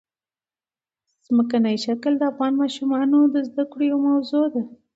ځمکنی شکل د افغان ماشومانو د زده کړې یوه موضوع ده.